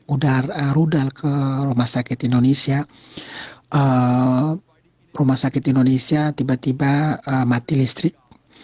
udara rudal ke rumah sakit indonesia rumah sakit indonesia tiba tiba mati listrik